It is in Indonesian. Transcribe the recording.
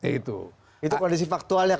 itu kondisi faktualnya